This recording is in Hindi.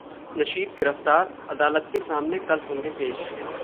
नशीद गिरफ्तार, अदालत के सामने कल होंगे पेश